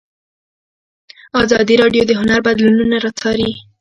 ازادي راډیو د هنر بدلونونه څارلي.